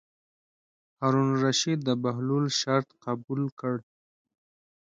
هارون الرشید د بهلول شرط قبول کړ.